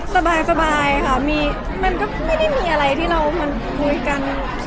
สบายค่ะมันก็ไม่ได้มีอะไรที่เรามันคุยกัน